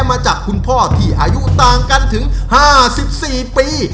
มาจากคุณพ่อที่อายุต่างกันถึง๕๔ปี